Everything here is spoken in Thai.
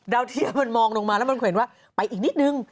ดาวเทียมมองลงมาแล้วมันเห็นว่าไปอีกนิดนึง